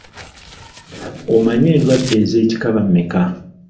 Omanyi endwadde ez'ekikaba mmeka?